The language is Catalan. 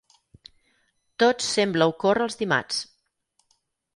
Tot sembla ocórrer els dimarts.